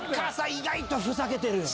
意外とふざけてるよな。